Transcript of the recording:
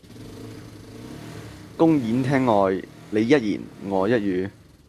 公演廳外你一言我一語